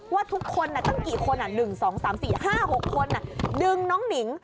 ว่าทุกคนตั้งกี่คน๑๒๓๔๕๖คนดึงน้องหนิง